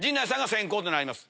先攻となります。